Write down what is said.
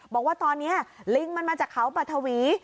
บอกว่าตอนนี้ลิงมันมาจากเขาปัทวี